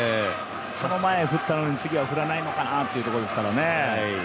その前振ったのに次振らないのかなという感じですから。